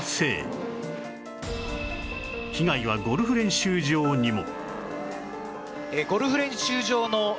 被害はゴルフ練習場にも